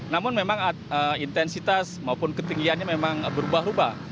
namun memang intensitas maupun ketinggiannya memang berubah ubah